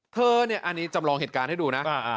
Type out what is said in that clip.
เธอเนี่ยอันนี้จำลองเหตุการณ์ให้ดูนะ